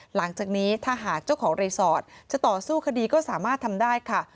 หลังจากนี้ถ้าหากเจ้าของรีสอร์ทจะต่อสู้คดีก็สามารถทำได้ค่ะ